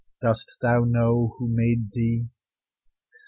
Does thou know who made thee?